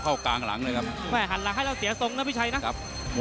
เข้ากลางหลังเลยครับ